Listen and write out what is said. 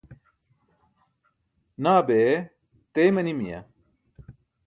Naa bee! Teey manimiya?